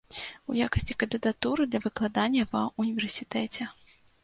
У якасці кандыдатур для выкладання ва ўніверсітэце.